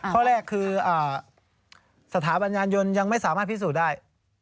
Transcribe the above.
ข้อแรกคือสถาบันยานยนต์ยังไม่สามารถพิสูจน์ได้